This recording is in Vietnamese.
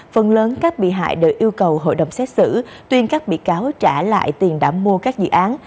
phần lớn các bị hại đều yêu cầu hội đồng xét xử tuyên các bị cáo trả lại tiền đã mua các dự án